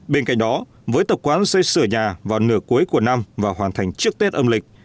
bên cạnh đó với tập quán xây sửa nhà vào nửa cuối của năm và hoàn thành trước tết âm lịch